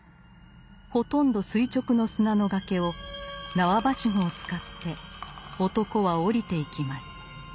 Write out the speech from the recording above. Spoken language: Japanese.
ほとんど垂直の砂の崖を縄ばしごを使って男は降りていきます。